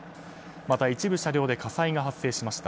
また、一部車両で火災が発生しました。